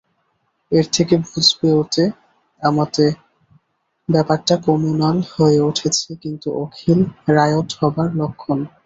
এর থেকে বুঝবে ওতে আমাতে ব্যাপারটা কম্যুন্যাল হয়ে উঠেছে, অন্তু-অখিল রায়ট হবার লক্ষণ।